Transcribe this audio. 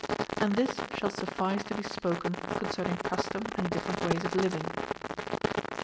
And this shall suffice to be spoken concerning custom and different ways of living. 5.